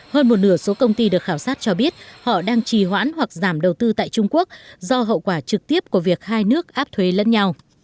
hơn một nửa số công ty được khảo sát cho biết họ đang trì hoãn hoặc giảm đầu tư tại trung quốc do hậu quả trực tiếp của việc hai nước áp thuế lẫn nhau